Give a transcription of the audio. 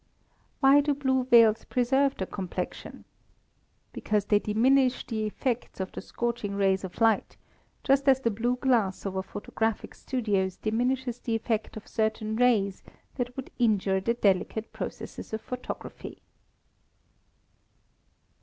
Why do blue veils preserve the complexion? Because they diminish the effect of the scorching rays of light, just as the blue glass over photographic studios diminishes the effect of certain rays that would injure the delicate processes of photography.